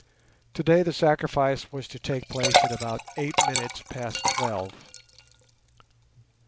Today the sacrifice was to take place at about eight minutes past twelve.